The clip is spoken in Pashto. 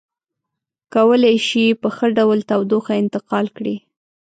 کولی شي په ښه ډول تودوخه انتقال کړي.